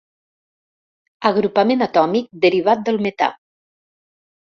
Agrupament atòmic derivat del metà.